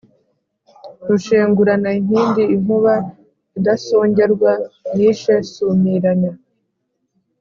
Rushengurana inkindi, inkuba idasongerwa nishe Sumiramya